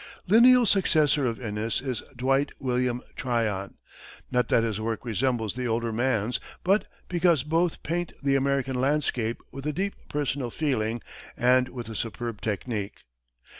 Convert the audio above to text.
Lineal successor of Inness is Dwight William Tryon, not that his work resembles the older man's, but because both paint the American landscape with a deep personal feeling and with a superb technique.